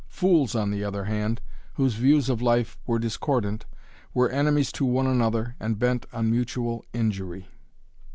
Fools, on the other hand, whose views of life were discordant, were enemies to one another and bent on mutual injury.